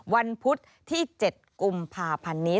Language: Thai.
วันพุธที่๗กุมภาพันธ์นี้